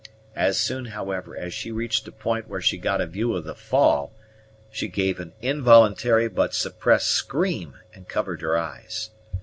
As soon, however, as she reached a point where she got a view of the fall, she gave an involuntary but suppressed scream, and covered her eyes.